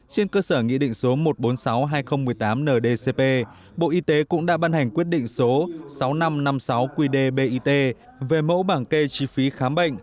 trên cơ sở nghị định số một trăm bốn mươi sáu hai nghìn một mươi tám ndcp bộ y tế cũng đã ban hành quyết định số sáu nghìn năm trăm năm mươi sáu qdbit về mẫu bảng kê chi phí khám bệnh